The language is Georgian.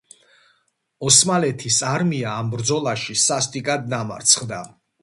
ოსმალეთის არმია ამ ბრძოლაში სასტიკად დამარცხდა.